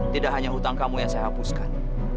tidak hanya utang kamu yang saya hapuskan